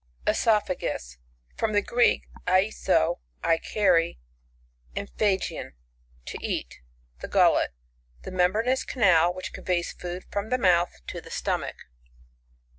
(Esophagus. — From the Greek, Qi$6^ I carry, and phagein, to eat The gullet. I'he membranous canal, which conveys food from the mouUl to the stomach.